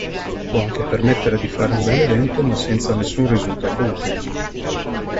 Può anche permettere di fare un bell'evento ma senza nessun risultato utile.